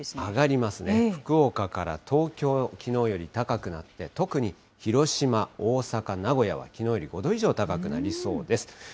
福岡から東京、きのうより高くなって、特に広島、大阪、名古屋はきのうより５度以上高くなりそうです。